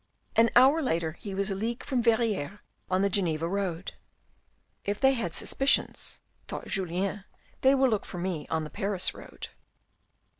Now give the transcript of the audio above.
An hour later he was a league from Verrieres on the Geneva road. "If they had suspicions," thought Julien, "they will look for me on the Paris road."